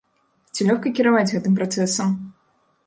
Ці лёгка кіраваць гэтым працэсам?